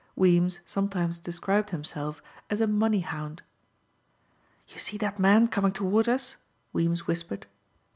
Weems sometimes described himself as a "money hound." "You see that man coming toward us," Weems whispered.